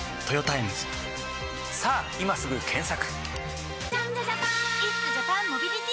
さぁ今すぐ検索！